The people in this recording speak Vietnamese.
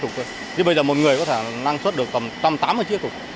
thế bây giờ một người có thể nâng suất được tầm tám mươi cái trục